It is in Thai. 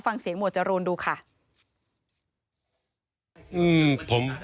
ฟังเสียงหมวดจรวนดูค่ะ